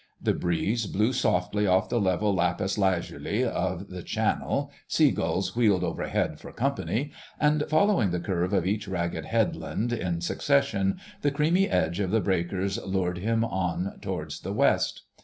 The breeze blew softly off the level lapis lazuli of the Channel, sea gulls wheeled overhead for company, and following the curve of each ragged headland in succession, the creamy edge of the breakers lured him on towards the West.